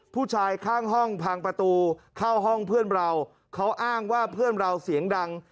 ผู้ชายข้างห้องพังประตูเข้าห้องเพื่อนเราเขาอ้างว่าเพื่อนเราเสียงดัง